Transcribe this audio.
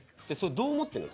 どう思ってんのよ？